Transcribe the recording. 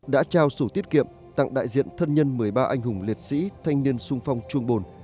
đã trao sổ tiết kiệm tặng đại diện thân nhân một mươi ba anh hùng liệt sĩ thanh niên sung phong chuông bồn